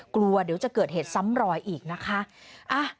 กลัวเดี๋ยวจะเกิดเหตุซ้ำรอยอีกนะคะ